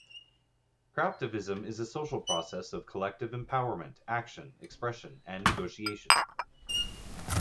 Craftivism is a social process of collective empowerment, action, expression and negotiation.